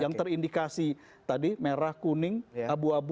yang terindikasi tadi merah kuning abu abu